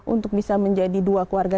untuk bisa menjadi dua keluarga